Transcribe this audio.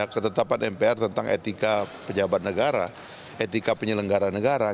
ketetapan mpr tentang etika pejabat negara etika penyelenggara negara